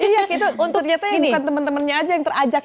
iya kita ternyata bukan teman temannya aja yang terajak